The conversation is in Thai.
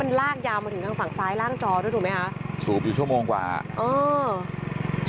มันลากยาวมาถึงทางฝั่งซ้ายล่างจอด้วยถูกไหมคะสูบอยู่ชั่วโมงกว่าเออ